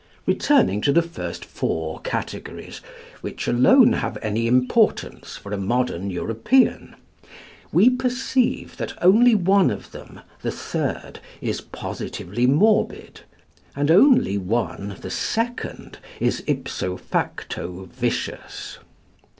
Returning to the first four categories, which alone have any importance for a modern European, we perceive that only one of them, the third, is positively morbid, and only one, the second, is ipso facto vicious.